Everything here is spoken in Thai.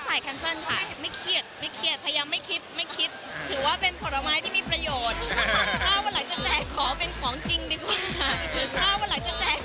หลังจากแจกขอเป็นของจริงดีกว่า